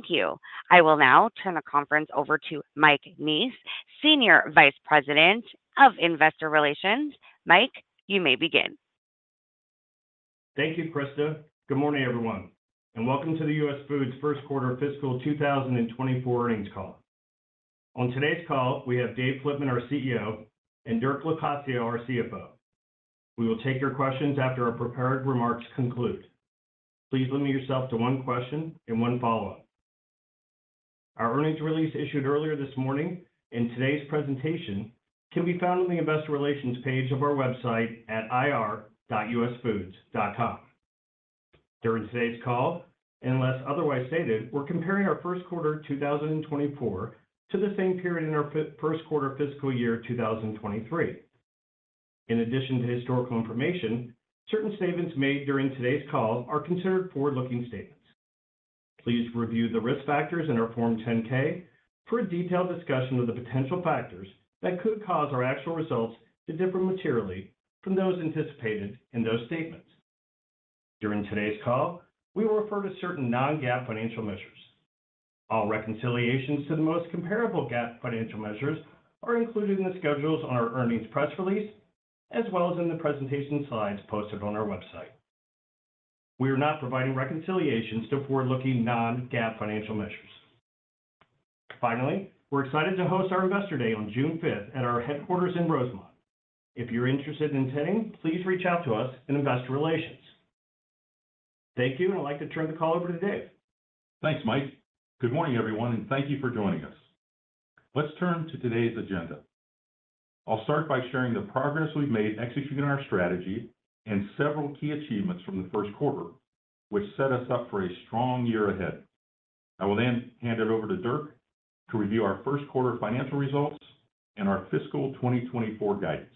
Thank you. I will now turn the conference over to Mike Neese, Senior Vice President of Investor Relations. Mike, you may begin. Thank you, Krista. Good morning, everyone, and welcome to the US Foods First Quarter Fiscal 2024 Earnings Call. On today's call, we have Dave Flitman, our CEO, and Dirk Locascio, our CFO. We will take your questions after our prepared remarks conclude. Please limit yourself to one question and one follow-up. Our earnings release issued earlier this morning, and today's presentation can be found on the investor relations page of our website at ir.usfoods.com. During today's call, unless otherwise stated, we're comparing our first quarter 2024 to the same period in our first quarter fiscal year 2023. In addition to historical information, certain statements made during today's call are considered forward-looking statements. Please review the risk factors in our Form 10-K for a detailed discussion of the potential factors that could cause our actual results to differ materially from those anticipated in those statements. During today's call, we will refer to certain non-GAAP financial measures. All reconciliations to the most comparable GAAP financial measures are included in the schedules on our earnings press release, as well as in the presentation slides posted on our website. We are not providing reconciliations to forward-looking non-GAAP financial measures. Finally, we're excited to host our Investor Day on June 5th at our headquarters in Rosemont. If you're interested in attending, please reach out to us in Investor Relations. Thank you, and I'd like to turn the call over to Dave. Thanks, Mike. Good morning, everyone, and thank you for joining us. Let's turn to today's agenda. I'll start by sharing the progress we've made executing our strategy and several key achievements from the first quarter, which set us up for a strong year ahead. I will then hand it over to Dirk to review our first quarter financial results and our fiscal 2024 guidance.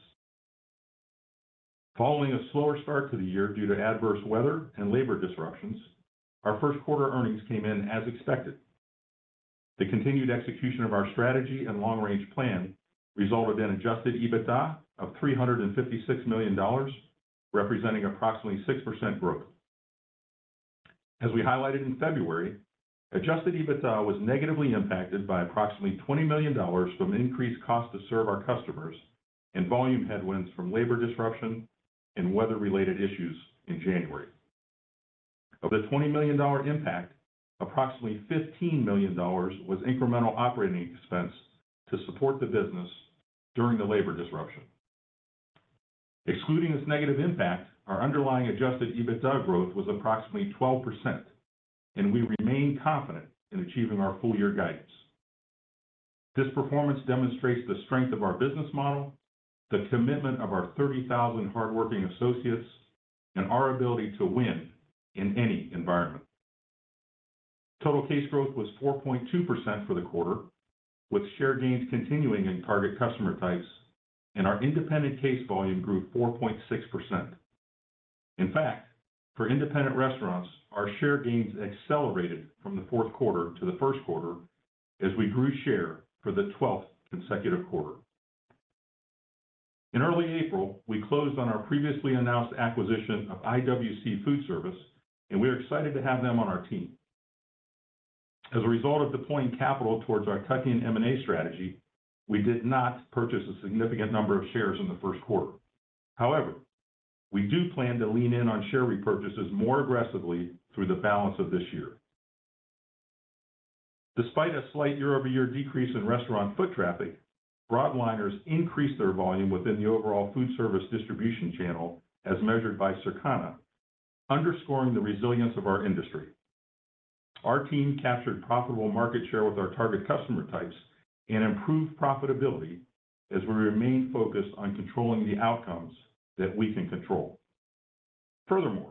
Following a slower start to the year due to adverse weather and labor disruptions, our first quarter earnings came in as expected. The continued execution of our strategy and long-range plan resulted in Adjusted EBITDA of $356 million, representing approximately 6% growth. As we highlighted in February, Adjusted EBITDA was negatively impacted by approximately $20 million from increased cost to serve our customers and volume headwinds from labor disruption and weather-related issues in January. Of the $20 million impact, approximately $15 million was incremental operating expense to support the business during the labor disruption. Excluding this negative impact, our underlying Adjusted EBITDA growth was approximately 12%, and we remain confident in achieving our full-year guidance. This performance demonstrates the strength of our business model, the commitment of our 30,000 hardworking associates, and our ability to win in any environment. Total case growth was 4.2% for the quarter, with share gains continuing in target customer types, and our independent case volume grew 4.6%. In fact, for independent restaurants, our share gains accelerated from the fourth quarter to the first quarter as we grew share for the 12th consecutive quarter. In early April, we closed on our previously announced acquisition of IWC Foodservice, and we are excited to have them on our team. As a result of deploying capital towards our tuck-in M&A strategy, we did not purchase a significant number of shares in the first quarter. However, we do plan to lean in on share repurchases more aggressively through the balance of this year. Despite a slight year-over-year decrease in restaurant foot traffic, broadliners increased their volume within the overall food service distribution channel, as measured by Circana, underscoring the resilience of our industry. Our team captured profitable market share with our target customer types and improved profitability as we remain focused on controlling the outcomes that we can control. Furthermore,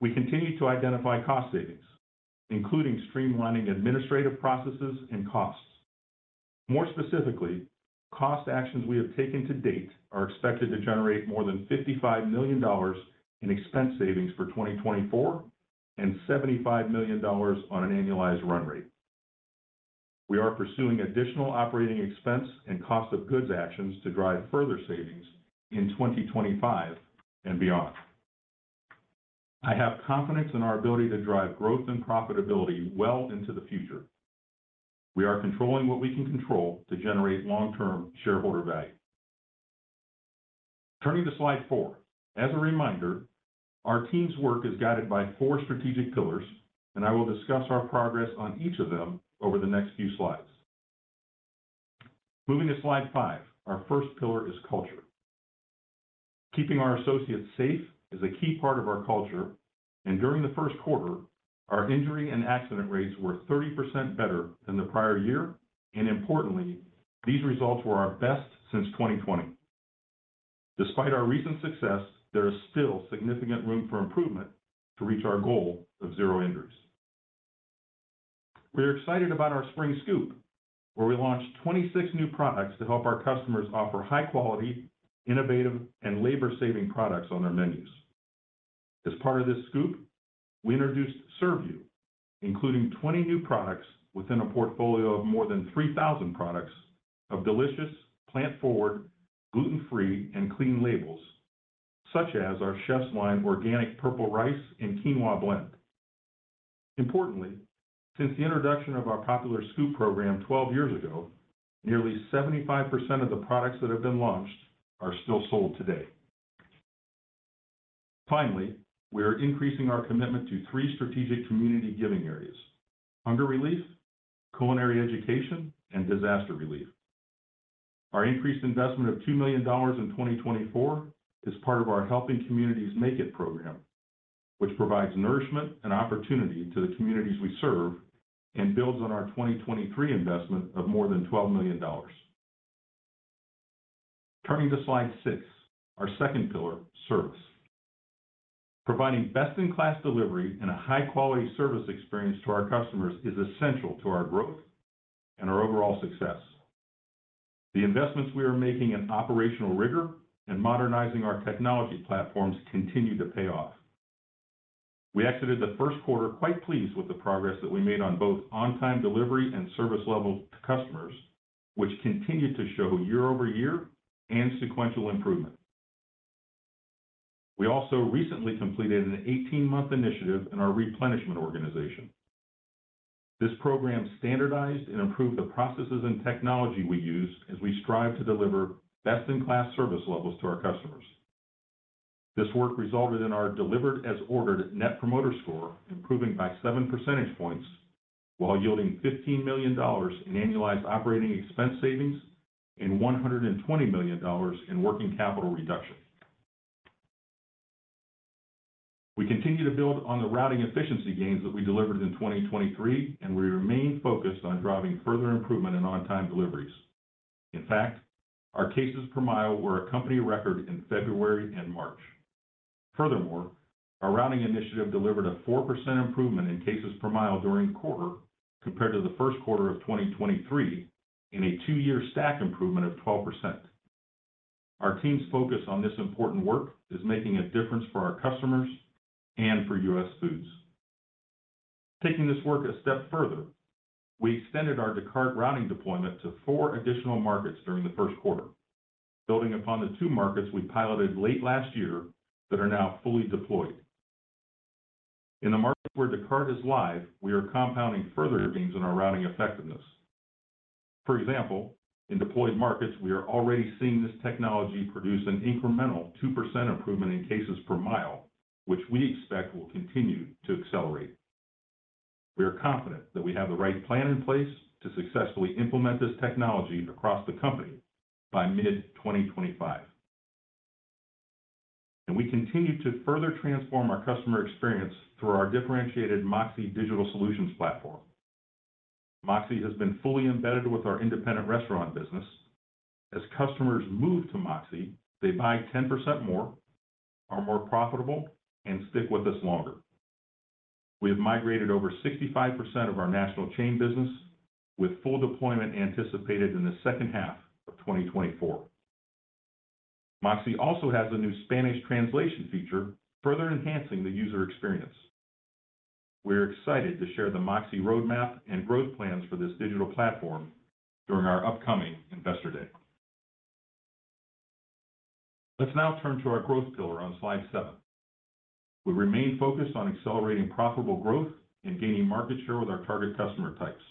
we continue to identify cost savings, including streamlining administrative processes and costs. More specifically, cost actions we have taken to date are expected to generate more than $55 million in expense savings for 2024, and $75 million on an annualized run rate. We are pursuing additional operating expense and cost of goods actions to drive further savings in 2025 and beyond. I have confidence in our ability to drive growth and profitability well into the future. We are controlling what we can control to generate long-term shareholder value. Turning to slide four. As a reminder, our team's work is guided by four strategic pillars, and I will discuss our progress on each of them over the next few slides. Moving to slide five. Our first pillar is culture. Keeping our associates safe is a key part of our culture, and during the first quarter, our injury and accident rates were 30% better than the prior year, and importantly, these results were our best since 2020. Despite our recent success, there is still significant room for improvement to reach our goal of zero injuries. We are excited about our Spring Scoop, where we launched 26 new products to help our customers offer high quality, innovative, and labor saving products on their menus. As part of this scoop, we introduced Serve You, including 20 new products within a portfolio of more than 3,000 products of delicious, plant-forward, gluten-free, and clean labels, such as our Chef's Line Organic Purple Rice and Quinoa Blend. Importantly, since the introduction of our popular Scoop program 12 years ago, nearly 75% of the products that have been launched are still sold today. Finally, we are increasing our commitment to three strategic community giving areas: hunger relief, culinary education, and disaster relief. Our increased investment of $2 million in 2024 is part of our Helping Communities Make It program, which provides nourishment and opportunity to the communities we serve, and builds on our 2023 investment of more than $12 million. Turning to Slide six, our second pillar, service. Providing best-in-class delivery and a high-quality service experience to our customers is essential to our growth and our overall success. The investments we are making in operational rigor and modernizing our technology platforms continue to pay off. We exited the first quarter quite pleased with the progress that we made on both on-time delivery and service levels to customers, which continued to show year-over-year and sequential improvement. We also recently completed an 18-month initiative in our replenishment organization. This program standardized and improved the processes and technology we use as we strive to deliver best-in-class service levels to our customers. This work resulted in our delivered-as-ordered Net Promoter Score improving by 7 percentage points, while yielding $15 million in annualized operating expense savings and $120 million in working capital reduction. We continue to build on the routing efficiency gains that we delivered in 2023, and we remain focused on driving further improvement in on-time deliveries. In fact, our cases per mile were a company record in February and March. Furthermore, our routing initiative delivered a 4% improvement in cases per mile during the quarter compared to the first quarter of 2023, and a two-year stack improvement of 12%. Our team's focus on this important work is making a difference for our customers and for US Foods. Taking this work a step further, we extended our Descartes routing deployment to four additional markets during the first quarter, building upon the two markets we piloted late last year that are now fully deployed. In the markets where Descartes is live, we are compounding further gains in our routing effectiveness. For example, in deployed markets, we are already seeing this technology produce an incremental 2% improvement in cases per mile, which we expect will continue to accelerate. We are confident that we have the right plan in place to successfully implement this technology across the company by mid-2025. We continue to further transform our customer experience through our differentiated MOXē Digital Solutions platform. MOXē has been fully embedded with our independent restaurant business. As customers move to MOXē, they buy 10% more, are more profitable, and stick with us longer. We have migrated over 65% of our national chain business, with full deployment anticipated in the second half of 2024. MOXē also has a new Spanish translation feature, further enhancing the user experience. We're excited to share the MOXē roadmap and growth plans for this digital platform during our upcoming Investor Day. Let's now turn to our growth pillar on Slide seven. We remain focused on accelerating profitable growth and gaining market share with our target customer types.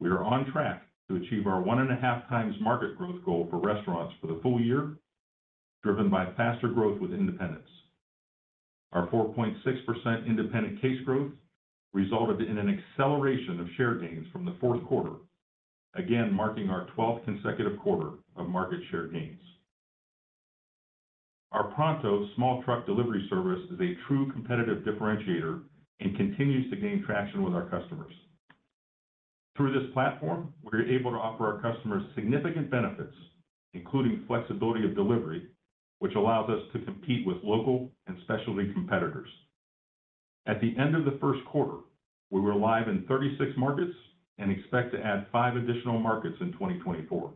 We are on track to achieve our 1.5x market growth goal for restaurants for the full year, driven by faster growth with independents. Our 4.6% independent case growth resulted in an acceleration of share gains from the fourth quarter, again, marking our 12th consecutive quarter of market share gains. Our Pronto small truck delivery service is a true competitive differentiator and continues to gain traction with our customers. Through this platform, we're able to offer our customers significant benefits, including flexibility of delivery, which allows us to compete with local and specialty competitors. At the end of the first quarter, we were live in 36 markets and expect to add five additional markets in 2024.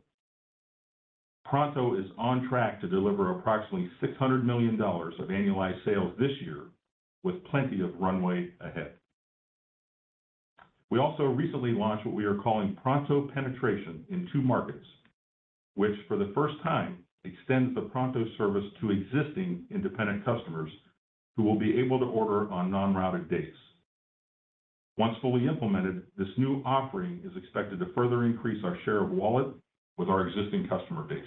Pronto is on track to deliver approximately $600 million of annualized sales this year, with plenty of runway ahead. We also recently launched what we are calling Pronto Penetration in two markets, which for the first time, extends the Pronto service to existing independent customers who will be able to order on non-routed days. Once fully implemented, this new offering is expected to further increase our share of wallet with our existing customer base.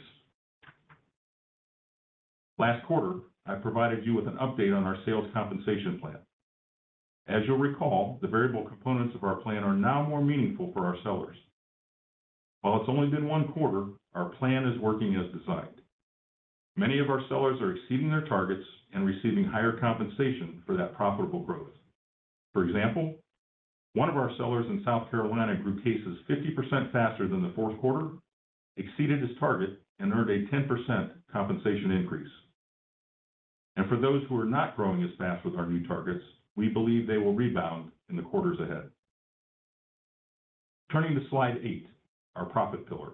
Last quarter, I provided you with an update on our sales compensation plan. As you'll recall, the variable components of our plan are now more meaningful for our sellers. While it's only been one quarter, our plan is working as designed. Many of our sellers are exceeding their targets and receiving higher compensation for that profitable growth. For example, one of our sellers in South Carolina grew cases 50% faster than the fourth quarter, exceeded his target, and earned a 10% compensation increase. For those who are not growing as fast with our new targets, we believe they will rebound in the quarters ahead. Turning to Slide eight, our profit pillar.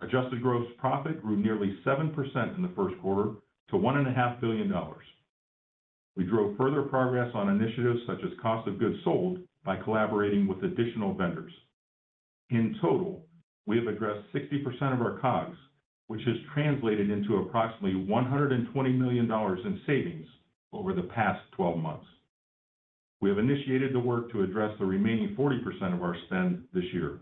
Adjusted Gross Profit grew nearly 7% in the first quarter to $1.5 billion. We drove further progress on initiatives such as Cost of Goods Sold by collaborating with additional vendors. In total, we have addressed 60% of our COGS, which has translated into approximately $120 million in savings over the past 12 months. We have initiated the work to address the remaining 40% of our spend this year.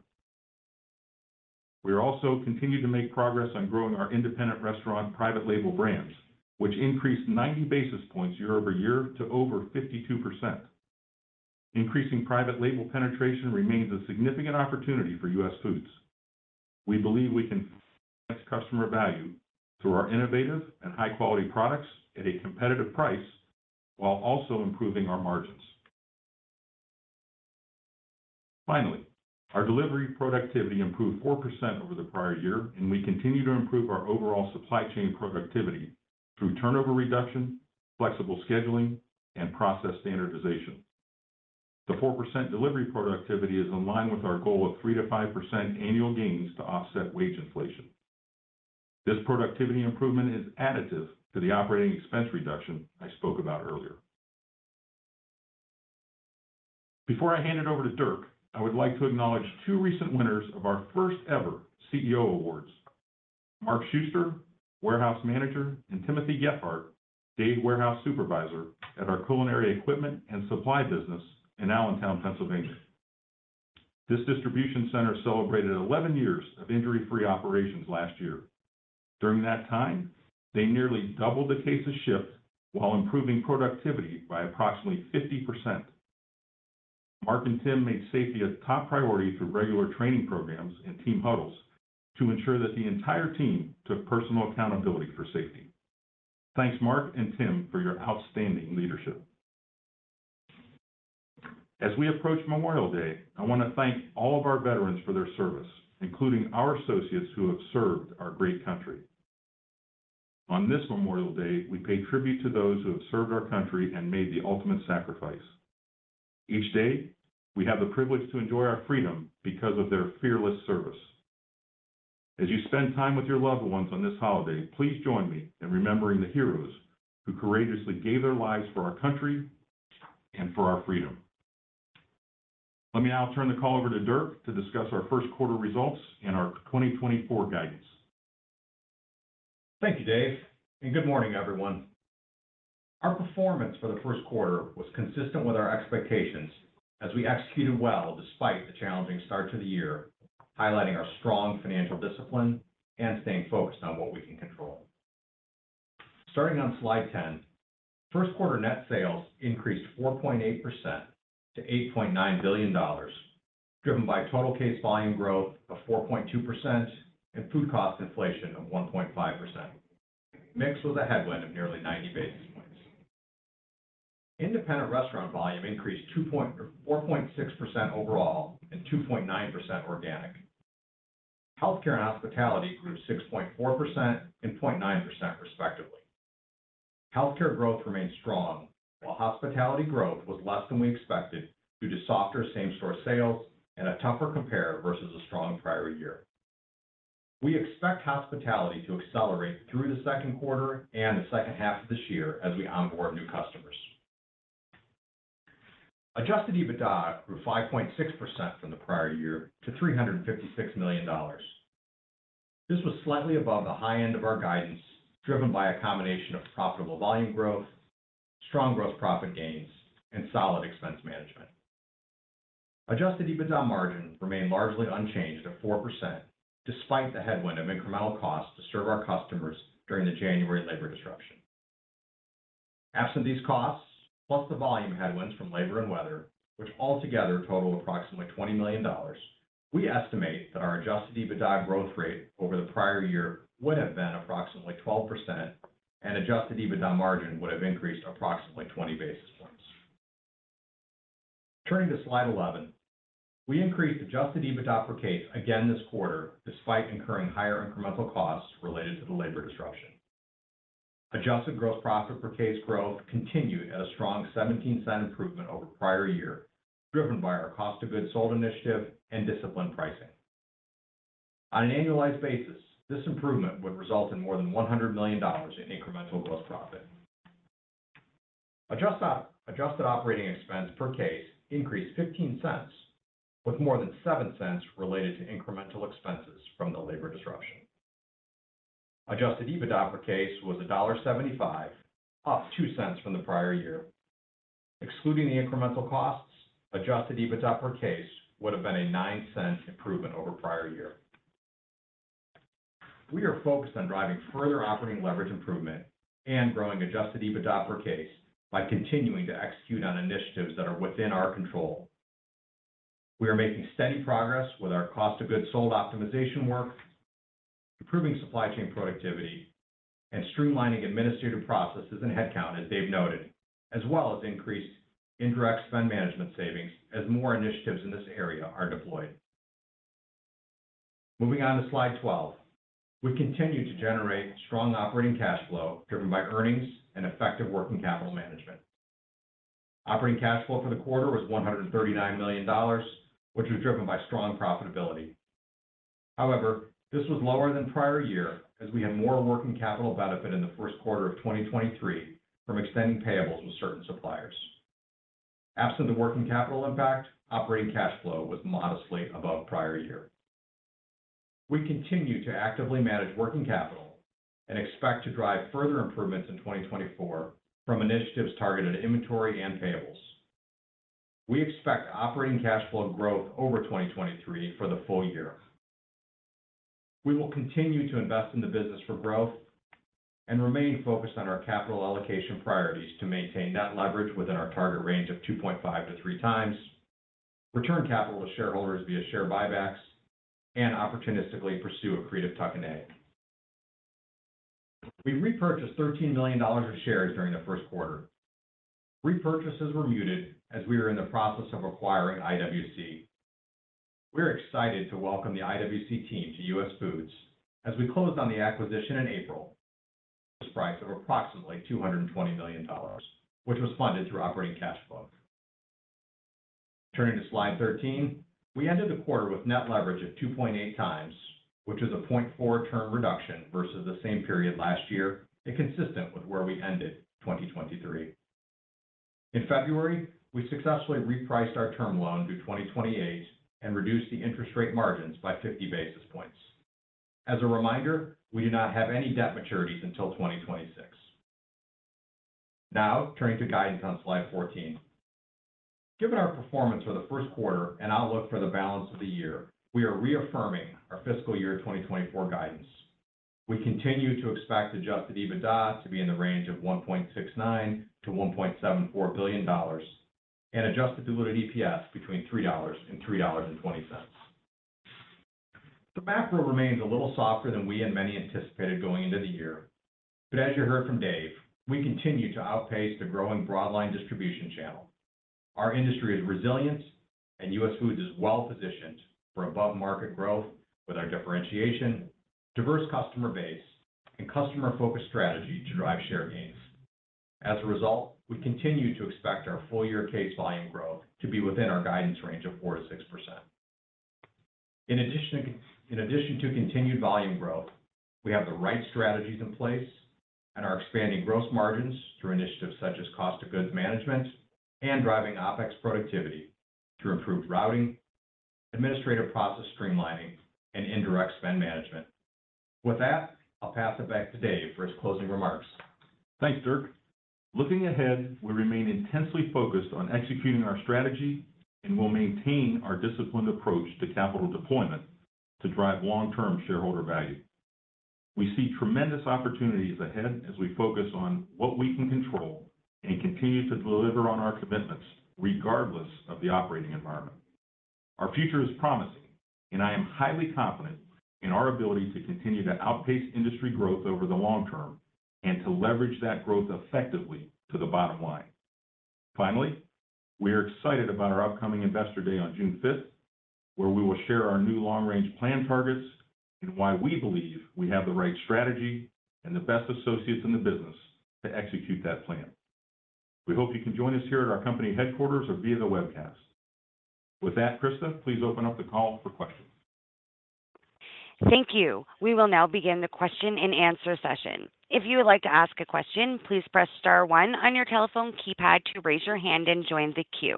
We are also continuing to make progress on growing our independent restaurant private label brands, which increased 90 basis points year-over-year to over 52%. Increasing private label penetration remains a significant opportunity for US Foods. We believe we can add customer value through our innovative and high-quality products at a competitive price, while also improving our margins. Finally, our delivery productivity improved 4% over the prior year, and we continue to improve our overall supply chain productivity through turnover reduction, flexible scheduling, and process standardization. The 4% delivery productivity is in line with our goal of 3%-5% annual gains to offset wage inflation. This productivity improvement is additive to the operating expense reduction I spoke about earlier. Before I hand it over to Dirk, I would like to acknowledge two recent winners of our first ever CEO Awards. Mark Schuster, warehouse manager, and Timothy Gephart, day warehouse supervisor at our culinary equipment and supply business in Allentown, Pennsylvania. This distribution center celebrated 11 years of injury-free operations last year. During that time, they nearly doubled the cases shipped while improving productivity by approximately 50%. Mark and Tim made safety a top priority through regular training programs and team huddles to ensure that the entire team took personal accountability for safety. Thanks, Mark and Tim, for your outstanding leadership. As we approach Memorial Day, I want to thank all of our veterans for their service, including our associates who have served our great country. On this Memorial Day, we pay tribute to those who have served our country and made the ultimate sacrifice. Each day, we have the privilege to enjoy our freedom because of their fearless service. As you spend time with your loved ones on this holiday, please join me in remembering the heroes who courageously gave their lives for our country and for our freedom. Let me now turn the call over to Dirk to discuss our first quarter results and our 2024 guidance. Thank you, Dave, and good morning, everyone. Our performance for the first quarter was consistent with our expectations as we executed well despite the challenging start to the year, highlighting our strong financial discipline and staying focused on what we can control. Starting on slide 10, first quarter net sales increased 4.8% to $8.9 billion, driven by total case volume growth of 4.2% and food cost inflation of 1.5%, mixed with a headwind of nearly 90 basis points. Independent restaurant volume increased 4.6% overall and 2.9% organic. Healthcare and hospitality grew 6.4% and 0.9%, respectively. Healthcare growth remains strong, while hospitality growth was less than we expected due to softer same-store sales and a tougher compare versus a strong prior year. We expect hospitality to accelerate through the second quarter and the second half of this year as we onboard new customers. Adjusted EBITDA grew 5.6% from the prior year to $356 million. This was slightly above the high end of our guidance, driven by a combination of profitable volume growth, strong gross profit gains, and solid expense management. Adjusted EBITDA margin remained largely unchanged at 4%, despite the headwind of incremental costs to serve our customers during the January labor disruption. Absent these costs, plus the volume headwinds from labor and weather, which altogether total approximately $20 million, we estimate that our adjusted EBITDA growth rate over the prior year would have been approximately 12%, and adjusted EBITDA margin would have increased approximately 20 basis points. Turning to slide 11. We increased adjusted EBITDA per case again this quarter, despite incurring higher incremental costs related to the labor disruption. Adjusted gross profit per case growth continued at a strong $0.17 improvement over prior year, driven by our cost of goods sold initiative and disciplined pricing. On an annualized basis, this improvement would result in more than $100 million in incremental gross profit. Adjusted operating expense per case increased $0.15, with more than $0.07 related to incremental expenses from the labor disruption. Adjusted EBITDA per case was $1.75, up $0.02 from the prior year. Excluding the incremental costs, adjusted EBITDA per case would have been a $0.09 improvement over prior year. We are focused on driving further operating leverage improvement and growing adjusted EBITDA per case by continuing to execute on initiatives that are within our control. We are making steady progress with our cost of goods sold optimization work, improving supply chain productivity, and streamlining administrative processes and headcount, as Dave noted, as well as increased indirect spend management savings as more initiatives in this area are deployed. Moving on to slide 12. We continue to generate strong operating cash flow driven by earnings and effective working capital management. Operating cash flow for the quarter was $139 million, which was driven by strong profitability. However, this was lower than prior year as we had more working capital benefit in the first quarter of 2023 from extending payables with certain suppliers. Absent the working capital impact, operating cash flow was modestly above prior year. We continue to actively manage working capital and expect to drive further improvements in 2024 from initiatives targeted inventory and payables. We expect operating cash flow growth over 2023 for the full year. We will continue to invest in the business for growth and remain focused on our capital allocation priorities to maintain net leverage within our target range of 2.5x-3x, return capital to shareholders via share buybacks, and opportunistically pursue accretive tuck-in M&A. We repurchased $13 million of shares during the first quarter. Repurchases were muted as we were in the process of acquiring IWC. We're excited to welcome the IWC team to US Foods as we closed on the acquisition in April. This price of approximately $220 million, which was funded through operating cash flow. Turning to slide 13. We ended the quarter with net leverage of 2.8x, which is a 0.4x reduction versus the same period last year, and consistent with where we ended 2023. In February, we successfully repriced our term loan to 2028 and reduced the interest rate margins by 50 basis points. As a reminder, we do not have any debt maturities until 2026. Now, turning to guidance on slide 14. Given our performance for the first quarter and outlook for the balance of the year, we are reaffirming our fiscal year 2024 guidance. We continue to expect Adjusted EBITDA to be in the range of $1.69 billion-$1.74 billion, and Adjusted Diluted EPS between $3 and $3.20. The macro remains a little softer than we and many anticipated going into the year, but as you heard from Dave, we continue to outpace the growing broad line distribution channel. Our industry is resilient, and US Foods is well positioned for above-market growth with our differentiation, diverse customer base, and customer-focused strategy to drive share gains. As a result, we continue to expect our full-year case volume growth to be within our guidance range of 4%-6%. In addition to continued volume growth, we have the right strategies in place and are expanding gross margins through initiatives such as cost of goods management and driving OpEx productivity through improved routing, administrative process streamlining, and indirect spend management. With that, I'll pass it back to Dave for his closing remarks. Thanks, Dirk. Looking ahead, we remain intensely focused on executing our strategy, and we'll maintain our disciplined approach to capital deployment to drive long-term shareholder value. We see tremendous opportunities ahead as we focus on what we can control and continue to deliver on our commitments, regardless of the operating environment. Our future is promising, and I am highly confident in our ability to continue to outpace industry growth over the long term and to leverage that growth effectively to the bottom line. Finally, we are excited about our upcoming Investor Day on June 5th, where we will share our new long-range plan targets and why we believe we have the right strategy and the best associates in the business to execute that plan. We hope you can join us here at our company headquarters or via the webcast. With that, Krista, please open up the call for questions. Thank you. We will now begin the question-and-answer session. If you would like to ask a question, please press star one on your telephone keypad to raise your hand and join the queue.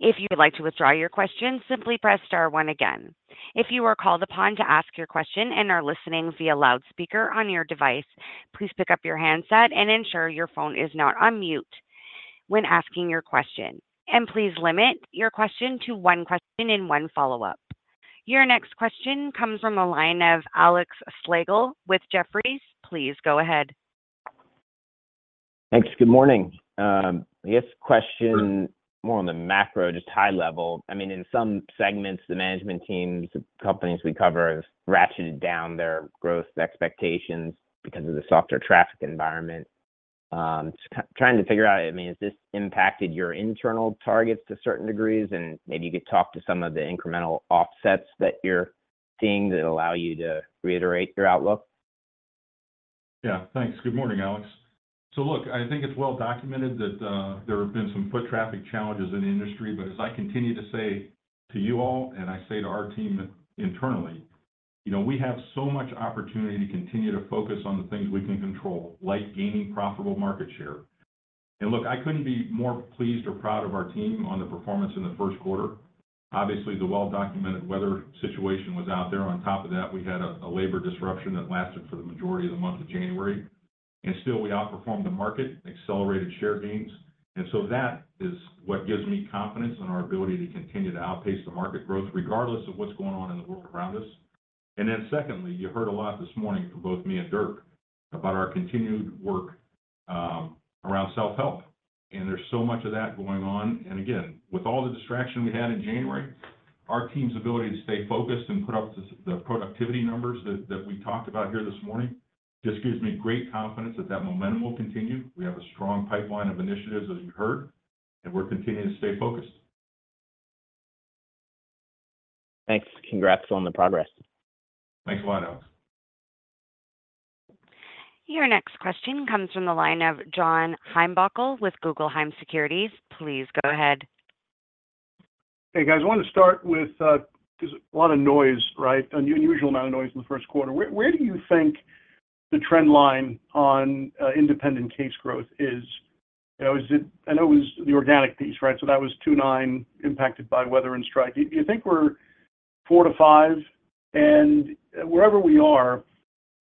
If you would like to withdraw your question, simply press star one again. If you were called upon to ask your question and are listening via loudspeaker on your device, please pick up your handset and ensure your phone is not on mute when asking your question. And please limit your question to one question and one follow-up. Your next question comes from the line of Alex Slagle with Jefferies. Please go ahead. Thanks. Good morning. I guess question more on the macro, just high level. I mean, in some segments, the management teams of companies we cover have ratcheted down their growth expectations because of the softer traffic environment. Just trying to figure out, I mean, has this impacted your internal targets to certain degrees? And maybe you could talk to some of the incremental offsets that you're seeing that allow you to reiterate your outlook. Yeah, thanks. Good morning, Alex. So look, I think it's well documented that there have been some foot traffic challenges in the industry, but as I continue to say to you all and I say to our team internally, you know, we have so much opportunity to continue to focus on the things we can control, like gaining profitable market share. And look, I couldn't be more pleased or proud of our team on the performance in the first quarter. Obviously, the well-documented weather situation was out there. On top of that, we had a labor disruption that lasted for the majority of the month of January, and still, we outperformed the market, accelerated share gains. And so that is what gives me confidence in our ability to continue to outpace the market growth, regardless of what's going on in the world around us. And then secondly, you heard a lot this morning from both me and Dirk about our continued work around self-help, and there's so much of that going on. And again, with all the distraction we had in January, our team's ability to stay focused and put up the productivity numbers that we talked about here this morning, just gives me great confidence that that momentum will continue. We have a strong pipeline of initiatives, as you heard, and we're continuing to stay focused.... Thanks. Congrats on the progress. Thanks, Alex. Your next question comes from the line of John Heinbockel with Guggenheim Securities. Please go ahead. Hey, guys. I want to start with, there's a lot of noise, right? An unusual amount of noise in the first quarter. Where, where do you think the trend line on independent case growth is? You know, is it-- I know it was the organic piece, right? So that was 2.9, impacted by weather and strike. Do you think we're four-five? And wherever we are,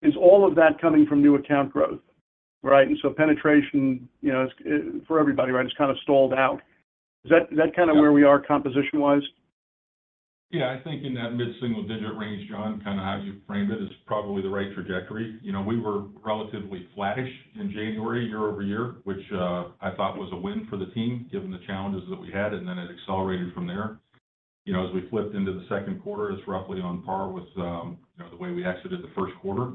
is all of that coming from new account growth, right? And so penetration, you know, it's for everybody, right, it's kind of stalled out. Is that, is that kind of where we are composition-wise? Yeah, I think in that mid-single digit range, John, kind of how you framed it, is probably the right trajectory. You know, we were relatively flattish in January, year-over-year, which, I thought was a win for the team, given the challenges that we had, and then it accelerated from there. You know, as we flipped into the second quarter, it's roughly on par with, you know, the way we exited the first quarter.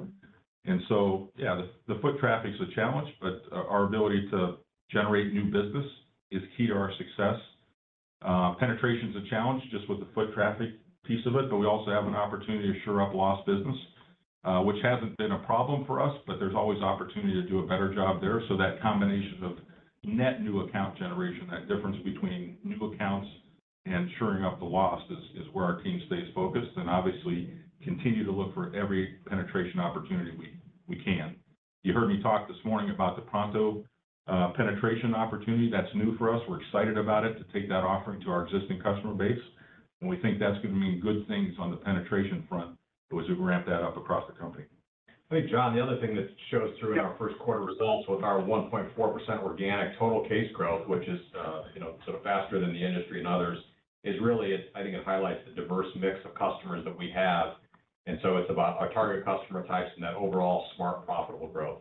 And so, yeah, the, the foot traffic's a challenge, but, our ability to generate new business is key to our success. Penetration's a challenge, just with the foot traffic piece of it, but we also have an opportunity to shore up lost business, which hasn't been a problem for us, but there's always opportunity to do a better job there. So that combination of net new account generation, that difference between new accounts and shoring up the loss, is where our team stays focused, and obviously continue to look for every penetration opportunity we can. You heard me talk this morning about the Pronto penetration opportunity. That's new for us. We're excited about it, to take that offering to our existing customer base, and we think that's gonna mean good things on the penetration front as we ramp that up across the company. I think, John, the other thing that shows through- Yep... in our first quarter results with our 1.4% organic total case growth, which is, you know, sort of faster than the industry and others, is really, I think it highlights the diverse mix of customers that we have. And so it's about our target customer types and that overall smart, profitable growth.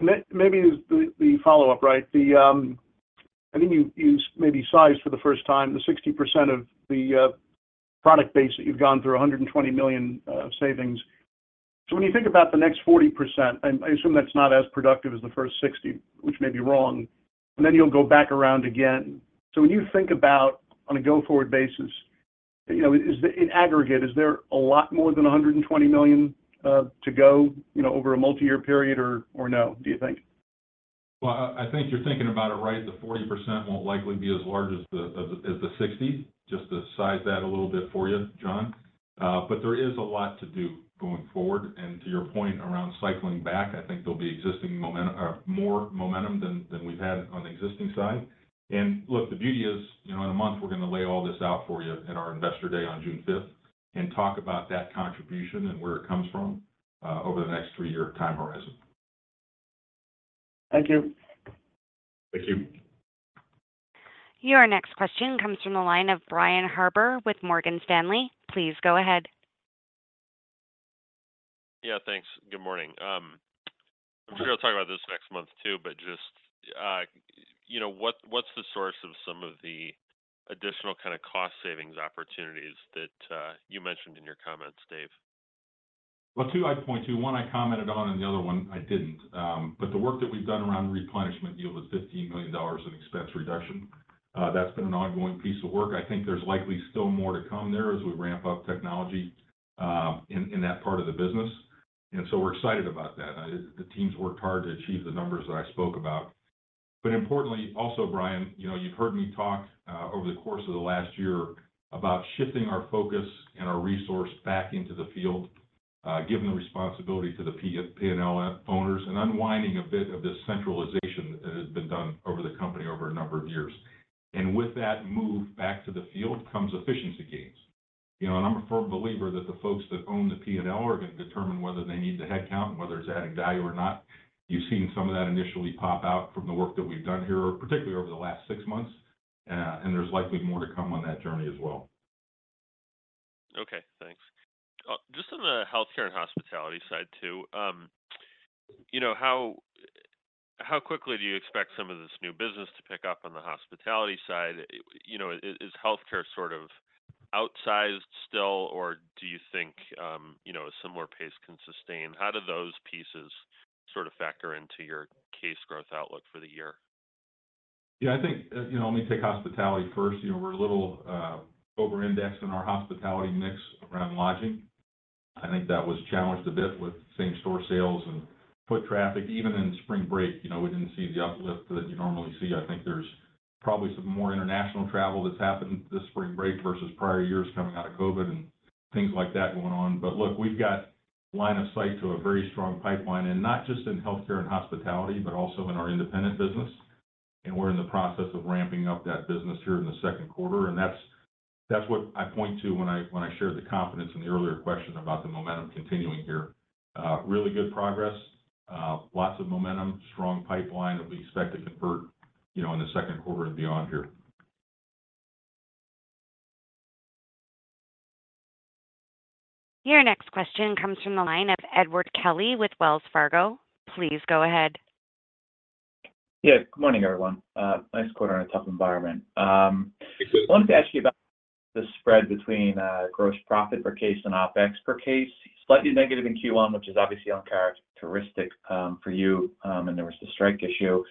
Maybe the follow-up, right? I think you maybe sized for the first time the 60% of the product base that you've gone through, $120 million savings. So when you think about the next 40%, and I assume that's not as productive as the first 60%, which may be wrong, and then you'll go back around again. So when you think about on a go-forward basis, you know, in aggregate, is there a lot more than $120 million to go, you know, over a multi-year period or no, do you think? Well, I think you're thinking about it right. The 40% won't likely be as large as the 60%, just to size that a little bit for you, John. But there is a lot to do going forward. And to your point around cycling back, I think there'll be existing more momentum than we've had on the existing side. And look, the beauty is, you know, in a month, we're going to lay all this out for you in our Investor Day on June fifth and talk about that contribution and where it comes from over the next three-year time horizon. Thank you. Thank you. Your next question comes from the line of Brian Harbour with Morgan Stanley. Please go ahead. Yeah, thanks. Good morning. I'm sure you'll talk about this next month, too, but just, you know, what, what's the source of some of the additional kind of cost savings opportunities that you mentioned in your comments, Dave? Well, two, I'd point to. One I commented on, and the other one I didn't. But the work that we've done around replenishment deal was $15 million in expense reduction. That's been an ongoing piece of work. I think there's likely still more to come there as we ramp up technology, in that part of the business, and so we're excited about that. The team's worked hard to achieve the numbers that I spoke about. But importantly, also, Brian, you know, you've heard me talk, over the course of the last year about shifting our focus and our resource back into the field, giving the responsibility to the P&L owners and unwinding a bit of this centralization that has been done over the company over a number of years. And with that move back to the field comes efficiency gains. You know, and I'm a firm believer that the folks that own the P&L are going to determine whether they need the headcount, whether it's adding value or not. You've seen some of that initially pop out from the work that we've done here, particularly over the last six months, and there's likely more to come on that journey as well. Okay, thanks. Just on the healthcare and hospitality side, too, you know, how quickly do you expect some of this new business to pick up on the hospitality side? You know, is healthcare sort of outsized still, or do you think a similar pace can sustain? How do those pieces sort of factor into your case growth outlook for the year? Yeah, I think, you know, let me take hospitality first. You know, we're a little over indexed in our hospitality mix around lodging. I think that was challenged a bit with same store sales and foot traffic. Even in spring break, you know, we didn't see the uplift that you normally see. I think there's probably some more international travel that's happened this spring break versus prior years coming out of COVID and things like that going on. But look, we've got line of sight to a very strong pipeline, and not just in healthcare and hospitality, but also in our independent business, and we're in the process of ramping up that business here in the second quarter. And that's, that's what I point to when I, when I share the confidence in the earlier question about the momentum continuing here. Really good progress, lots of momentum, strong pipeline that we expect to convert, you know, in the second quarter and beyond here. Your next question comes from the line of Edward Kelly with Wells Fargo. Please go ahead. Yeah. Good morning, everyone. Nice quarter on a tough environment. Thank you... I wanted to ask you about the spread between gross profit per case and OpEx per case. Slightly negative in Q1, which is obviously uncharacteristic for you, and there was the strike issue....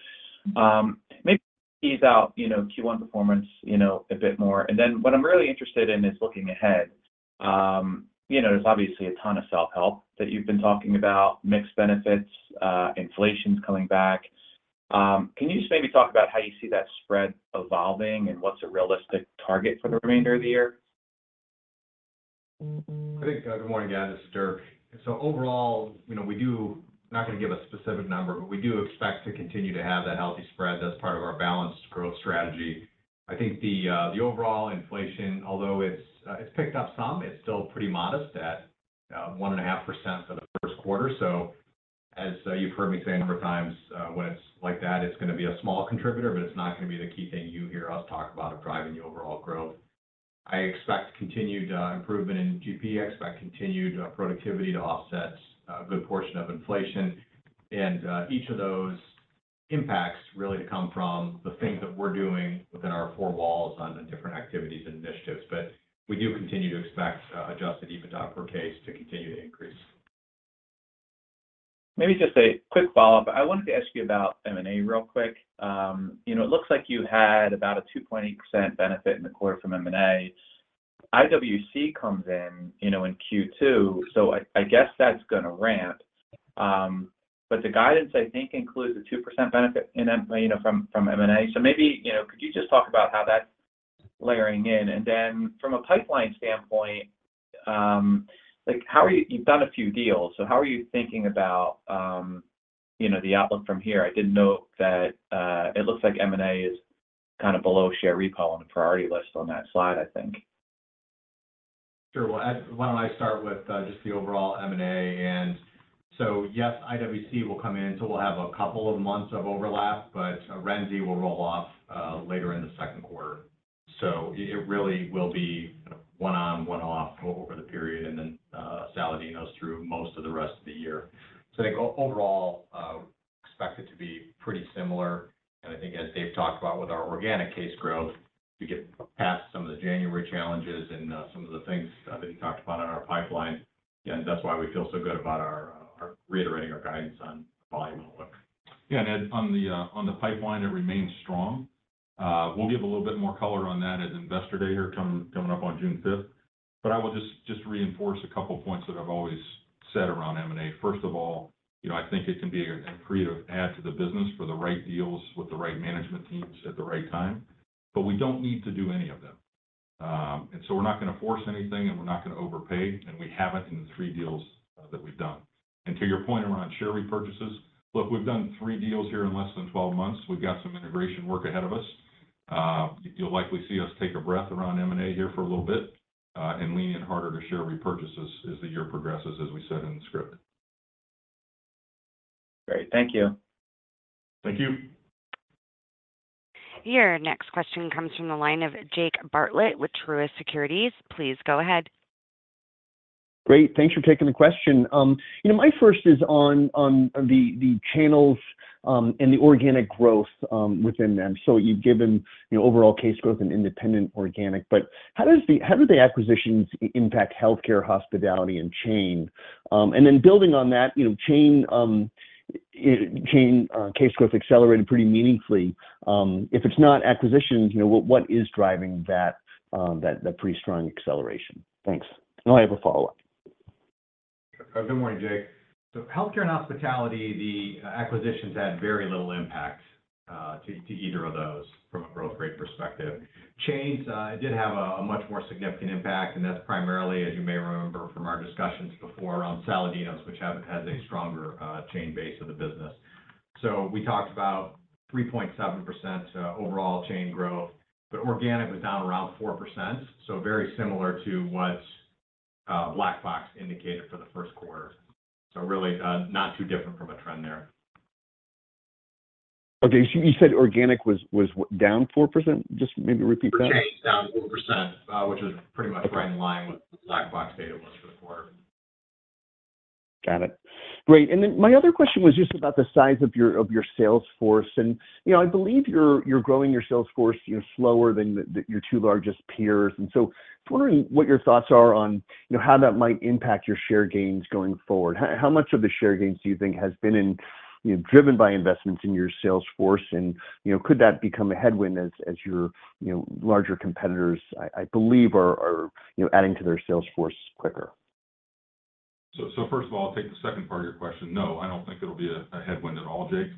maybe ease out, you know, Q1 performance, you know, a bit more. Then what I'm really interested in is looking ahead. You know, there's obviously a ton of self-help that you've been talking about, mixed benefits, inflation's coming back. Can you just maybe talk about how you see that spread evolving and what's a realistic target for the remainder of the year? I think, good morning, guys, this is Dirk. So overall, you know, we do not gonna give a specific number, but we do expect to continue to have that healthy spread. That's part of our balanced growth strategy. I think the, the overall inflation, although it's, it's picked up some, it's still pretty modest at, 1.5% for the first quarter. So as, you've heard me say a number of times, when it's like that, it's gonna be a small contributor, but it's not gonna be the key thing you hear us talk about of driving the overall growth. I expect continued, improvement in GP, expect continued, productivity to offset a good portion of inflation. Each of those impacts really to come from the things that we're doing within our four walls on the different activities and initiatives. We do continue to expect Adjusted EBITDA per case to continue to increase. Maybe just a quick follow-up. I wanted to ask you about M&A real quick. You know, it looks like you had about a 2.8% benefit in the quarter from M&A. IWC comes in, you know, in Q2, so I guess that's gonna ramp. But the guidance, I think, includes a 2% benefit in M- you know, from, from M&A. So maybe, you know, could you just talk about how that's layering in? And then from a pipeline standpoint, like, how are you-- You've done a few deals, so how are you thinking about, you know, the outlook from here? I did note that, it looks like M&A is kind of below share repo on the priority list on that slide, I think. Sure. Well, why don't I start with just the overall M&A? And so, yes, IWC will come in, so we'll have a couple of months of overlap, but Renzi will roll off later in the second quarter. So it really will be one on, one off over the period, and then Saladino's through most of the rest of the year. So I think overall expect it to be pretty similar, and I think as Dave talked about with our organic case growth, to get past some of the January challenges and some of the things that he talked about on our pipeline, and that's why we feel so good about our reiterating our guidance on volume outlook. Yeah, and Ed, on the pipeline, it remains strong. We'll give a little bit more color on that at Investor Day here coming up on June 5th. But I will just reinforce a couple of points that I've always said around M&A. First of all, you know, I think it can be an creative add to the business for the right deals with the right management teams at the right time, but we don't need to do any of them. And so we're not gonna force anything, and we're not gonna overpay, and we haven't in the three deals that we've done. And to your point around share repurchases, look, we've done three deals here in less than 12 months. We've got some integration work ahead of us. You'll likely see us take a breath around M&A here for a little bit, and lean in harder to share repurchases as the year progresses, as we said in the script. Great. Thank you. Thank you. Your next question comes from the line of Jake Bartlett with Truist Securities. Please go ahead. Great. Thanks for taking the question. You know, my first is on the channels and the organic growth within them. So you've given, you know, overall case growth and independent organic, but how do the acquisitions impact healthcare, hospitality, and chain? And then building on that, you know, chain case growth accelerated pretty meaningfully. If it's not acquisitions, you know, what is driving that pretty strong acceleration? Thanks. And I have a follow-up. Good morning, Jake. So healthcare and hospitality, the acquisitions had very little impact to either of those from a growth rate perspective. Chains did have a much more significant impact, and that's primarily, as you may remember from our discussions before, on Saladino's, which have, has a stronger chain base of the business. So we talked about 3.7% overall chain growth, but organic was down around 4%, so very similar to what Black Box indicated for the first quarter. So really not too different from a trend there. Okay, so you said organic was down 4%? Just maybe repeat that. Chain down 4%, which is pretty much right in line with what the Black Box data was for the quarter. Got it. Great, and then my other question was just about the size of your sales force. And, you know, I believe you're growing your sales force, you know, slower than your two largest peers, and so I was wondering what your thoughts are on, you know, how that might impact your share gains going forward. How much of the share gains do you think has been, you know, driven by investments in your sales force? And, you know, could that become a headwind as your larger competitors, you know, I believe are adding to their sales force quicker? First of all, I'll take the second part of your question. No, I don't think it'll be a headwind at all, Jake.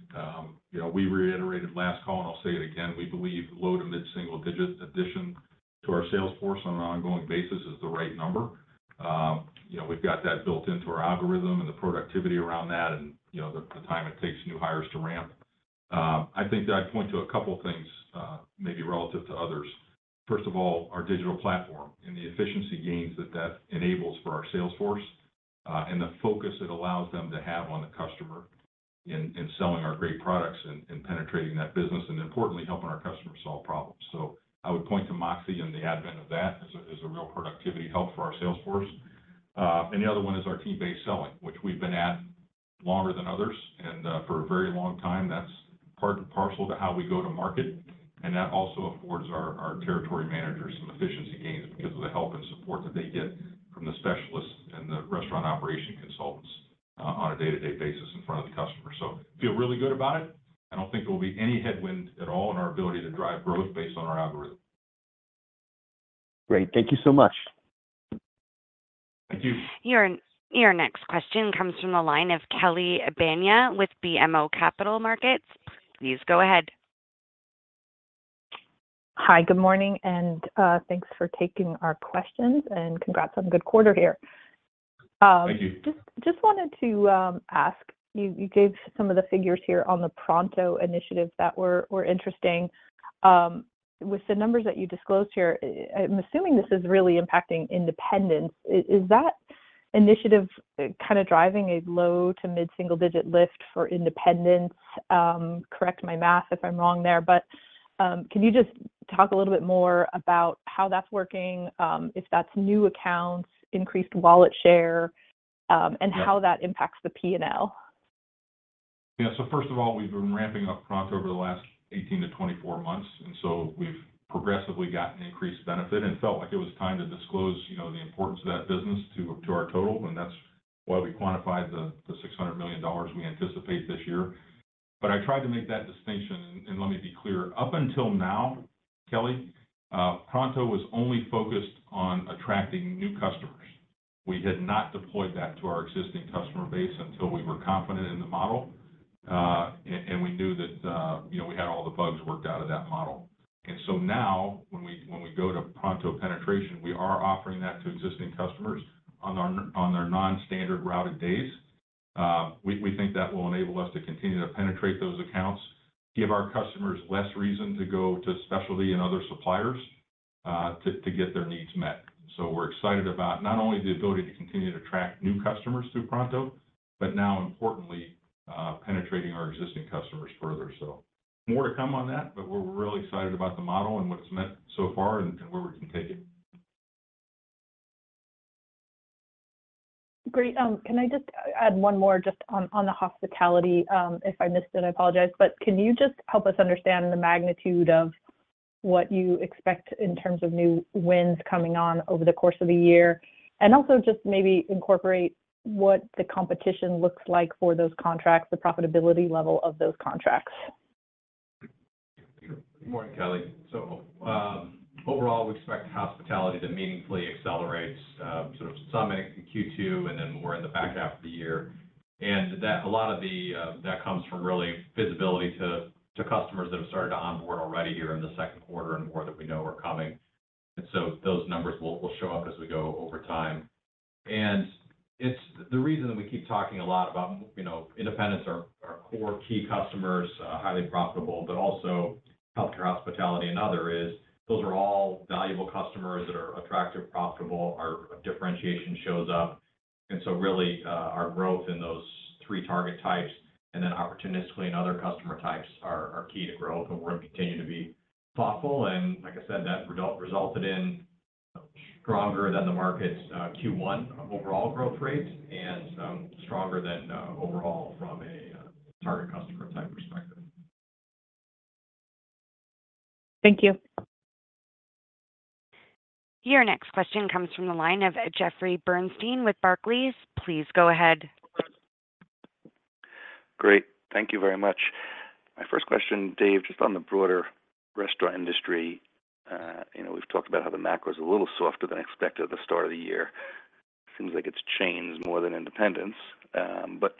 You know, we reiterated last call, and I'll say it again, we believe low to mid-single digit addition to our sales force on an ongoing basis is the right number. You know, we've got that built into our algorithm and the productivity around that and, you know, the time it takes new hires to ramp. I think I'd point to a couple things, maybe relative to others. First of all, our digital platform and the efficiency gains that that enables for our sales force, and the focus it allows them to have on the customer in selling our great products and penetrating that business, and importantly, helping our customers solve problems. So I would point to MOXē and the advent of that as a, as a real productivity help for our sales force. And the other one is our team-based selling, which we've been at longer than others, and, for a very long time, that's part and parcel to how we go to market, and that also affords our, our territory managers some efficiency gains because of the help and support that they get from the specialists and the restaurant operation consultants, on a day-to-day basis in front of the customer. So feel really good about it. I don't think there will be any headwind at all in our ability to drive growth based on our algorithm. Great. Thank you so much. Thank you. Your next question comes from the line of Kelly Bania with BMO Capital Markets. Please go ahead. Hi, good morning, and thanks for taking our questions, and congrats on a good quarter here. Thank you. Just wanted to ask: you gave some of the figures here on the Pronto initiative that were interesting. With the numbers that you disclosed here, I'm assuming this is really impacting independents. Is that initiative kind of driving a low to mid-single digit lift for independents? Correct my math if I'm wrong there, but can you just talk a little bit more about how that's working, if that's new accounts, increased wallet share? Yeah... and how that impacts the P&L? Yeah. So first of all, we've been ramping up Pronto over the last 18-24 months, and so we've progressively gotten increased benefit and felt like it was time to disclose, you know, the importance of that business to, to our total, and that's why we quantified the, the $600 million we anticipate this year. But I tried to make that distinction, and, and let me be clear. Up until now, Kelly, Pronto was only focused on attracting new customers. We had not deployed that to our existing customer base until we were confident in the model, and, and we knew that, you know, we had all the bugs worked out of that model. And so now, when we, when we go to Pronto Penetration, we are offering that to existing customers on our- on their non-standard routed days. We think that will enable us to continue to penetrate those accounts, give our customers less reason to go to specialty and other suppliers, to get their needs met. So we're excited about not only the ability to continue to attract new customers through Pronto, but now, importantly, penetrating our existing customers further. So more to come on that, but we're really excited about the model and what it's meant so far and where we can take it. Great. Can I just add one more just on the hospitality? If I missed it, I apologize. But can you just help us understand the magnitude of what you expect in terms of new wins coming on over the course of the year? And also just maybe incorporate what the competition looks like for those contracts, the profitability level of those contracts. Good morning, Kelly. So, overall, we expect hospitality to meaningfully accelerate, sort of some in Q2, and then more in the back half of the year. And that, a lot of the, that comes from really visibility to, to customers that have started to onboard already here in the second quarter and more that we know are coming. And so those numbers will show up as we go over time. And it's, the reason that we keep talking a lot about, you know, independents are our core key customers, highly profitable, but also healthcare, hospitality, and other is, those are all valuable customers that are attractive, profitable. Our differentiation shows up, and so really, our growth in those three target types and then opportunistically in other customer types are key to growth, and we're continuing to be thoughtful. Like I said, that resulted in stronger than the market's Q1 overall growth rates and stronger than overall from a target customer type perspective. Thank you. Your next question comes from the line of Jeffrey Bernstein with Barclays. Please go ahead. Great. Thank you very much. My first question, Dave, just on the broader restaurant industry. You know, we've talked about how the macro is a little softer than expected at the start of the year. Seems like it's chains more than independents, but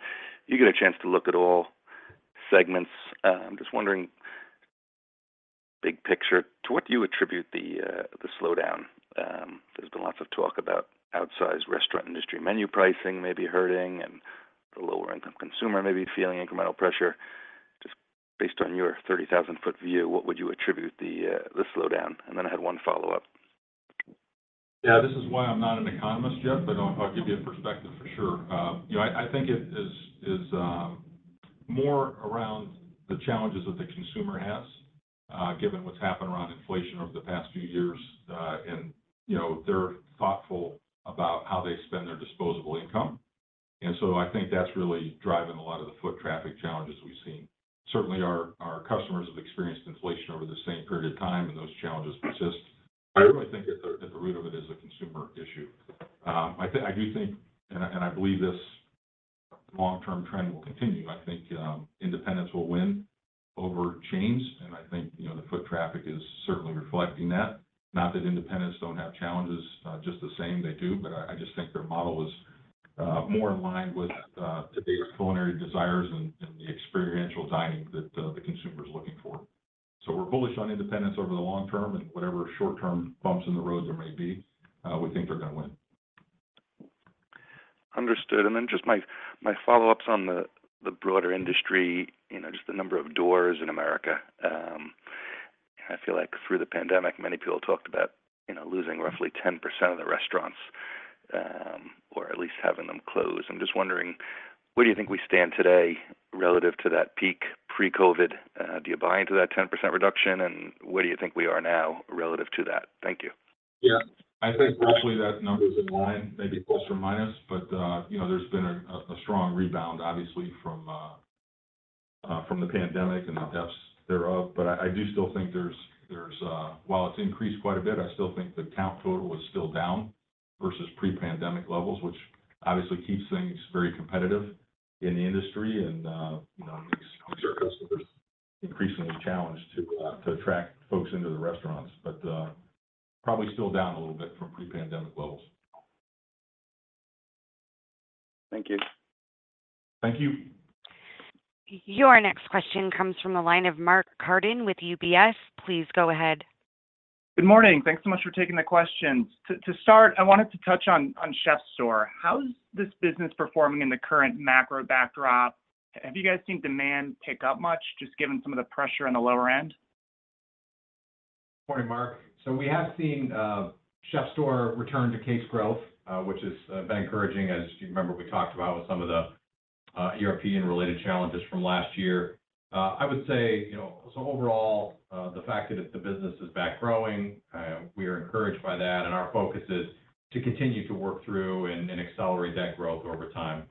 you get a chance to look at all segments. I'm just wondering, big picture, to what do you attribute the, the slowdown? There's been lots of talk about outsized restaurant industry menu pricing may be hurting and the lower-income consumer may be feeling incremental pressure. Just based on your 30,000-foot view, what would you attribute the, the slowdown? And then I had one follow-up. Yeah, this is why I'm not an economist, Jeff, but I'll give you a perspective for sure. You know, I think it is more around the challenges that the consumer has, given what's happened around inflation over the past few years. And, you know, they're thoughtful about how they spend their disposable income. And so I think that's really driving a lot of the foot traffic challenges we've seen. Certainly, our customers have experienced inflation over the same period of time, and those challenges persist. I really think at the root of it is a consumer issue. I think I do think, and I believe this long-term trend will continue, I think, independents will win over chains, and I think, you know, the foot traffic is certainly reflecting that. Not that independents don't have challenges, just the same. They do, but I, I just think their model is, more in line with, today's culinary desires and, and the experiential dining that, the consumer is looking for. So we're bullish on independents over the long term and whatever short-term bumps in the road there may be, we think they're gonna win. Understood. And then just my, my follow-ups on the, the broader industry, you know, just the number of doors in America. I feel like through the pandemic, many people talked about, you know, losing roughly 10% of the restaurants, or at least having them close. I'm just wondering, where do you think we stand today relative to that peak pre-COVID? Do you buy into that 10% reduction, and where do you think we are now relative to that? Thank you.... Yeah, I think roughly that number's in line, maybe plus or minus, but, you know, there's been a strong rebound, obviously, from the pandemic and the depths thereof. But I do still think there's, while it's increased quite a bit, I still think the count total is still down versus pre-pandemic levels, which obviously keeps things very competitive in the industry and, you know, makes our customers increasingly challenged to attract folks into the restaurants. But, probably still down a little bit from pre-pandemic levels. Thank you. Thank you. Your next question comes from the line of Mark Carden with UBS. Please go ahead. Good morning. Thanks so much for taking the questions. To start, I wanted to touch on CHEF'STORE. How is this business performing in the current macro backdrop? Have you guys seen demand pick up much, just given some of the pressure on the lower end? Morning, Mark. So we have seen CHEF'STORE return to case growth, which has been encouraging. As you remember, we talked about with some of the European-related challenges from last year. I would say, you know, so overall, the fact that the business is back growing, we are encouraged by that, and our focus is to continue to work through and accelerate that growth over time.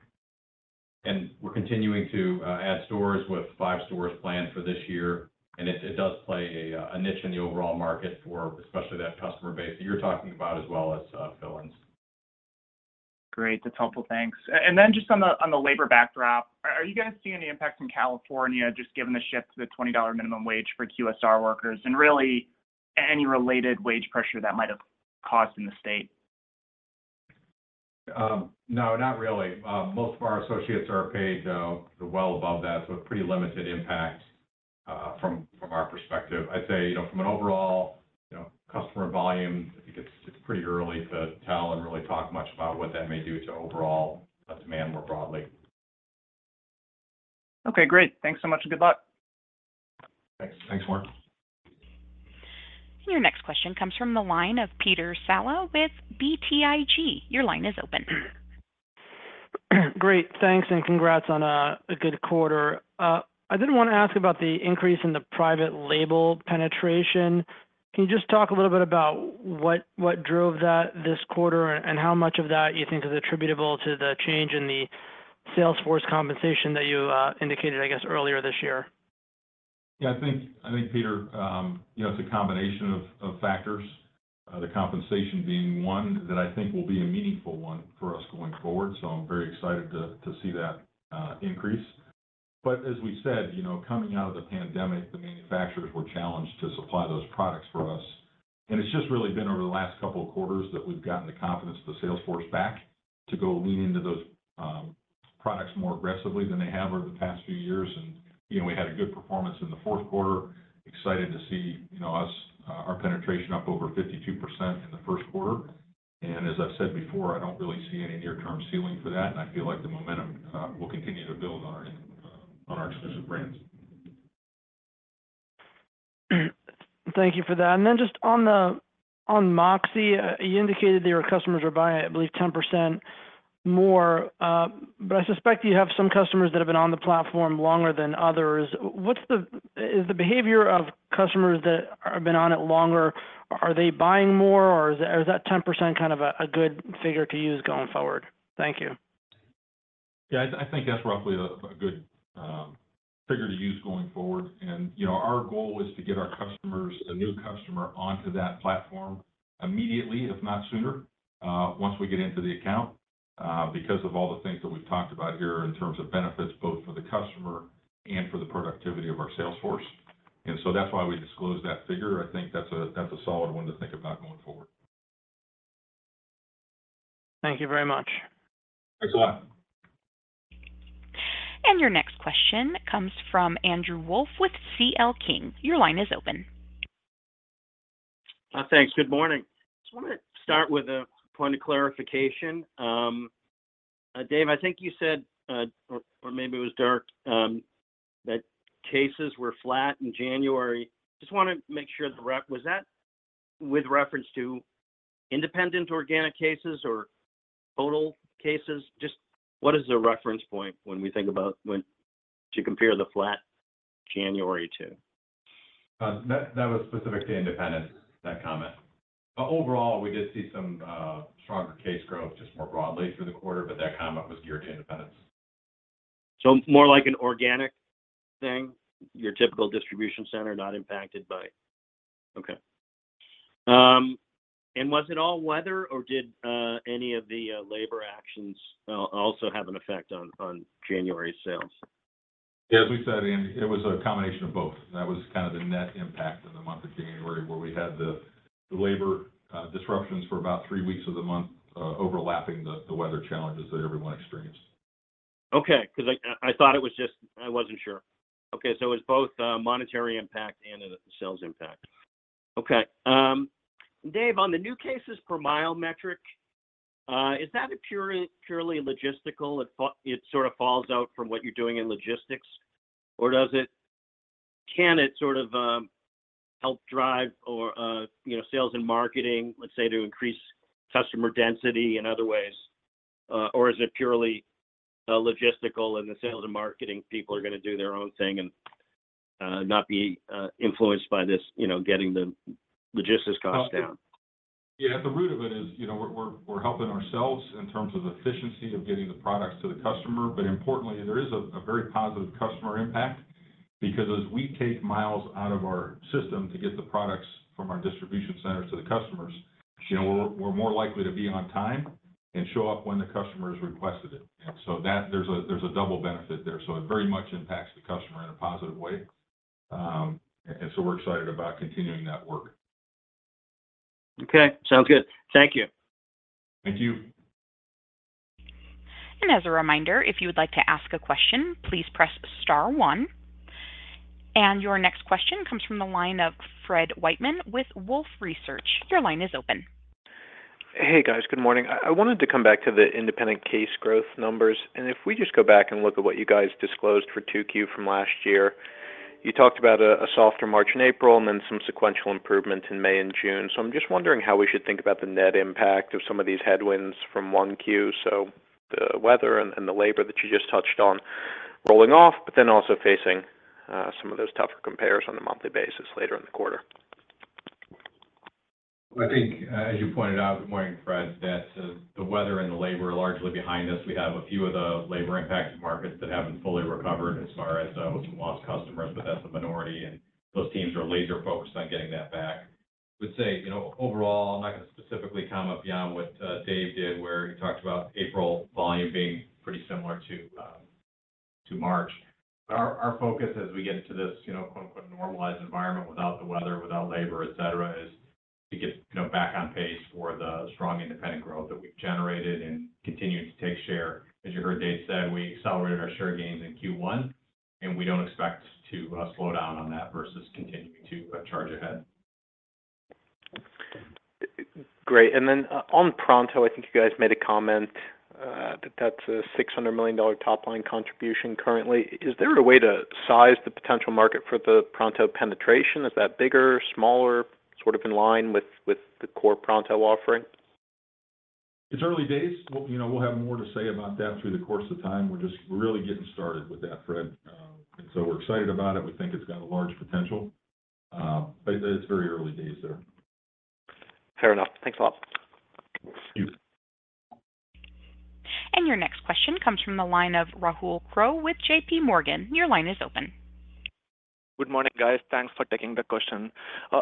And we're continuing to add stores with five stores planned for this year, and it does play a niche in the overall market for especially that customer base that you're talking about as well as fill-ins. Great. That's helpful. Thanks. And then just on the labor backdrop, are you guys seeing any impacts in California, just given the shift to the $20 minimum wage for QSR workers, and really, any related wage pressure that might have caused in the state? No, not really. Most of our associates are paid well above that, so a pretty limited impact from our perspective. I'd say, you know, from an overall, you know, customer volume, I think it's pretty early to tell and really talk much about what that may do to overall demand more broadly. Okay, great. Thanks so much, and good luck. Thanks. Thanks, Mark. Your next question comes from the line of Peter Saleh with BTIG. Your line is open. Great, thanks, and congrats on a good quarter. I did want to ask about the increase in the private label penetration. Can you just talk a little bit about what drove that this quarter, and how much of that you think is attributable to the change in the sales force compensation that you indicated, I guess, earlier this year? Yeah, I think, I think, Peter, you know, it's a combination of, of factors. The compensation being one that I think will be a meaningful one for us going forward, so I'm very excited to, to see that, increase. But as we said, you know, coming out of the pandemic, the manufacturers were challenged to supply those products for us. And it's just really been over the last couple of quarters that we've gotten the confidence of the sales force back to go lean into those, products more aggressively than they have over the past few years. And, you know, we had a good performance in the fourth quarter. Excited to see, you know, us, our penetration up over 52% in the first quarter. As I've said before, I don't really see any near-term ceiling for that, and I feel like the momentum will continue to build on our Exclusive Brands. Thank you for that. Then just on MOXē, you indicated that your customers are buying, I believe, 10% more, but I suspect you have some customers that have been on the platform longer than others. What is the behavior of customers that have been on it longer? Are they buying more, or is that 10% kind of a good figure to use going forward? Thank you. Yeah, I think that's roughly a good figure to use going forward. And, you know, our goal is to get our customers, a new customer onto that platform immediately, if not sooner, once we get into the account, because of all the things that we've talked about here in terms of benefits, both for the customer and for the productivity of our sales force. And so that's why we disclose that figure. I think that's a solid one to think about going forward. Thank you very much. Thanks a lot. Your next question comes from Andrew Wolf with C.L. King. Your line is open. Thanks. Good morning. Just wanna start with a point of clarification. Dave, I think you said, or, or maybe it was Dirk, that cases were flat in January. Just wanna make sure. Was that with reference to independent organic cases or total cases? Just what is the reference point when we think about when to compare the flat January to? That, that was specific to independents, that comment. But overall, we did see some stronger case growth, just more broadly through the quarter, but that comment was geared to independents. So more like an organic thing, your typical distribution center, not impacted by... Okay. And was it all weather, or did any of the labor actions also have an effect on January sales? Yeah, as we said, Andy, it was a combination of both. That was kind of the net impact in the month of January, where we had the labor disruptions for about three weeks of the month, overlapping the weather challenges that everyone experienced. Okay, 'cause I thought it was just... I wasn't sure. Okay, so it was both a monetary impact and a sales impact. Okay. Dave, on the new cases per mile metric, is that a purely logistical? It sorta falls out from what you're doing in logistics? Or does it can it sort of help drive or, you know, sales and marketing, let's say, to increase customer density in other ways? Or is it purely logistical and the sales and marketing people are gonna do their own thing and not be influenced by this, you know, getting the logistics costs down? Yeah, at the root of it is, you know, we're helping ourselves in terms of efficiency of getting the products to the customer. But importantly, there is a very positive customer impact because as we take miles out of our system to get the products from our distribution centers to the customers, you know, we're more likely to be on time and show up when the customers requested it. So there's a double benefit there, so it very much impacts the customer in a positive way. And so we're excited about continuing that work. Okay, sounds good. Thank you. Thank you. As a reminder, if you would like to ask a question, please press star one. Your next question comes from the line of Fred Wightman with Wolfe Research. Your line is open. Hey, guys. Good morning. I wanted to come back to the independent case growth numbers, and if we just go back and look at what you guys disclosed for 2Q from last year, you talked about a softer March and April and then some sequential improvement in May and June. So I'm just wondering how we should think about the net impact of some of these headwinds from 1Q. So the weather and the labor that you just touched on rolling off, but then also facing some of those tougher compares on a monthly basis later in the quarter. I think, as you pointed out, good morning, Fred, that the weather and the labor are largely behind us. We have a few of the labor-impacted markets that haven't fully recovered as far as lost customers, but that's the minority, and those teams are laser-focused on getting that back. I would say, you know, overall, I'm not going to specifically comment beyond what Dave did, where he talked about April volume being pretty similar to March. But our focus as we get to this, you know, quote, unquote, "normalized environment" without the weather, without labor, et cetera, is to get, you know, back on pace for the strong independent growth that we've generated and continuing to take share. As you heard Dave say, we accelerated our share gains in Q1, and we don't expect to slow down on that versus continuing to charge ahead. Great. And then, on Pronto, I think you guys made a comment that that's a $600 million top-line contribution currently. Is there a way to size the potential market for the Pronto penetration? Is that bigger, smaller, sort of in line with the core Pronto offering? It's early days. Well, you know, we'll have more to say about that through the course of time. We're just really getting started with that, Fred. And so we're excited about it. We think it's got a large potential, but it, it's very early days there. Fair enough. Thanks a lot. Thank you. And your next question comes from the line of Rahul Krotthapalli with J.P. Morgan. Your line is open. Good morning, guys. Thanks for taking the question.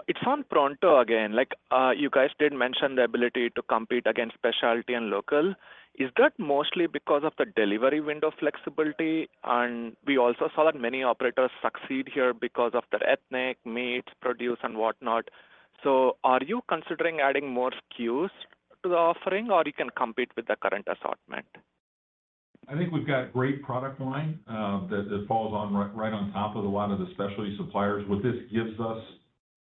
It's on Pronto again. Like, you guys did mention the ability to compete against specialty and local. Is that mostly because of the delivery window flexibility? And we also saw that many operators succeed here because of their ethnic, meat, produce, and whatnot. So are you considering adding more SKUs to the offering, or you can compete with the current assortment? I think we've got a great product line that falls right on top of a lot of the specialty suppliers. What this gives us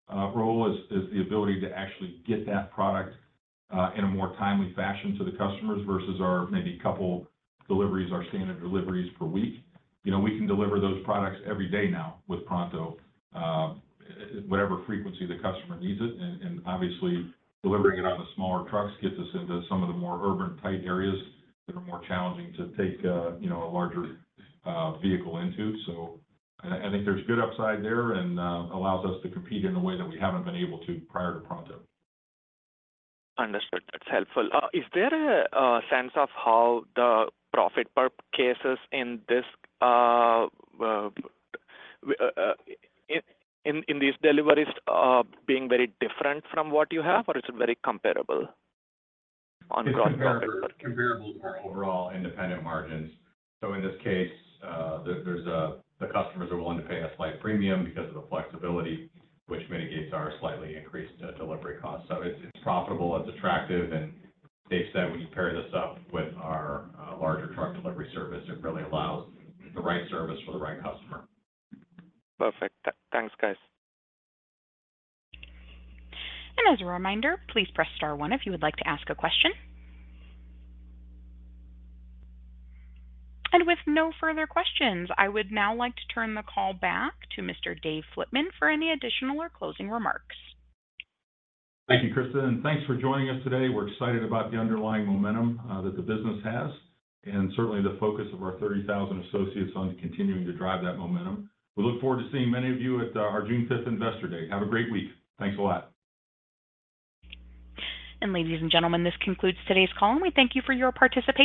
is the ability to actually get that product in a more timely fashion to the customers versus our maybe couple deliveries, our standard deliveries per week. You know, we can deliver those products every day now with Pronto, whatever frequency the customer needs it. And obviously, delivering it on the smaller trucks gets us into some of the more urban, tight areas that are more challenging to take you know a larger vehicle into. So I think there's good upside there and allows us to compete in a way that we haven't been able to prior to Pronto. Understood. That's helpful. Is there a sense of how the profit per cases in these deliveries are being very different from what you have, or is it very comparable on gross profit? Comparables for overall independent margins. So in this case, there, there's the customers are willing to pay a slight premium because of the flexibility, which mitigates our slightly increased delivery costs. So it's, it's profitable, it's attractive, and Dave said, when you pair this up with our larger truck delivery service, it really allows the right service for the right customer. Perfect. Thanks, guys. As a reminder, please press star one if you would like to ask a question. With no further questions, I would now like to turn the call back to Mr. Dave Flitman for any additional or closing remarks. Thank you, Krista, and thanks for joining us today. We're excited about the underlying momentum that the business has and certainly the focus of our 30,000 associates on continuing to drive that momentum. We look forward to seeing many of you at our June fifth Investor Day. Have a great week. Thanks a lot. Ladies and gentlemen, this concludes today's call, and we thank you for your participation.